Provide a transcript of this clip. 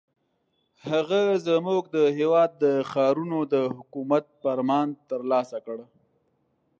هغه زموږ د هېواد د ښارونو د حکومت فرمان ترلاسه کړ.